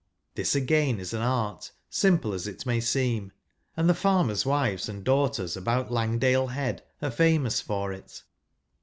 This again is an art, simple as it may seem ; and the farmer's wives and daugh¬ ters about Langdale Head are famous for it.